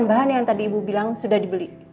bahan yang tadi ibu bilang sudah dibeli